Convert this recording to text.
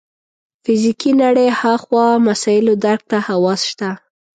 فزیکي نړۍ هاخوا مسایلو درک ته حواس شته.